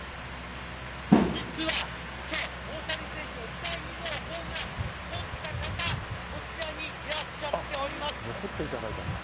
実は、きょう、大谷選手の第２号ホームラン捕った方、こちらにいらっしゃってお残っていただいたんだ。